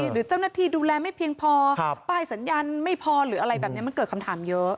หรือเจ้าหน้าที่ดูแลไม่เพียงพอป้ายสัญญาณไม่พอหรืออะไรแบบนี้มันเกิดคำถามเยอะ